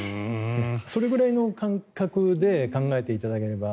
それくらいの感覚で考えていただければ。